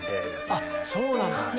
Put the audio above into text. あっそうなんだ。